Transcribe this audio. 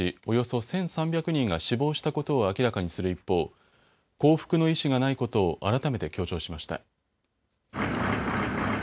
およそ１３００人が死亡したことを明らかにする一方、降伏の意思がないことを改めて強調しました。